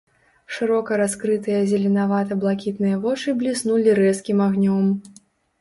Шырока раскрытыя зеленавата-блакітныя вочы бліснулі рэзкім агнём.